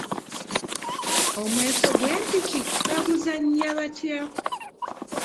Omweso gw'empiki bauzannya batya?